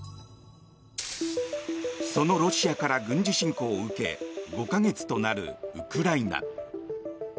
そのロシアから軍事侵攻を受け５か月となるウクライナ。